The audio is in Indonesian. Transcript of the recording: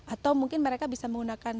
atau mungkin mereka bisa menggunakan